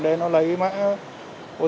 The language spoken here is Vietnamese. để nó lấy mã otp